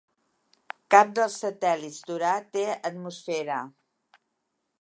Cap dels satèl·lits d'Urà té atmosfera.